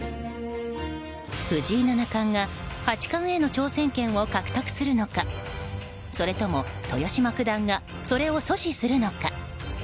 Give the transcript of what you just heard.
藤井七冠が八冠への挑戦権を獲得するのかそれとも豊島九段がそれを阻止するのか。